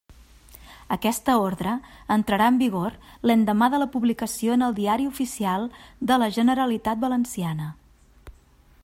Aquesta orde entrara en vigor l'endemà de la publicació en el Diari Oficial de la Generalitat Valenciana.